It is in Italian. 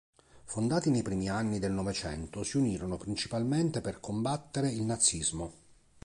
Fondati nei primi anni del Novecento, si unirono principalmente per combattere il nazismo.